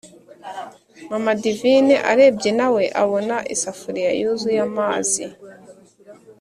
mama divine arebye nawe abona isafuriya yuzuye amazi,